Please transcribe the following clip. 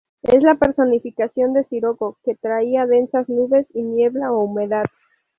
Es la personificación del siroco, que traía densas nubes y niebla o humedad.